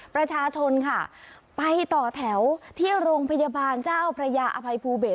ประชาชนค่ะไปต่อแถวที่โรงพยาบาลเจ้าพระยาอภัยภูเบศ